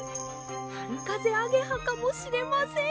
はるかぜアゲハかもしれません！